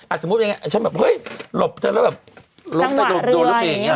อ่ะสมมุติอย่างเงี้ยฉันแบบเฮ้ยหลบเธอแล้วแบบจังหวะเรื่อยโดนแล้วไปเอง